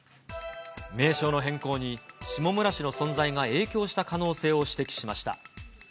名称の変更に下村氏の存在が影響した可能性を指摘しました。